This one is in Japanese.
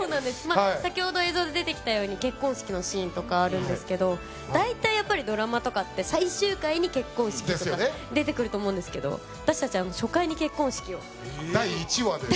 先ほど映像で出てきたように結婚式のシーンとかあるんですけど大体ドラマとかって最終回に結婚式とか出てくると思うんですけど私たちは第１話で？